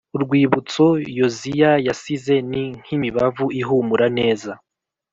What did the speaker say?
Urwibutso Yoziya yasize ni nk’imibavu ihumura neza,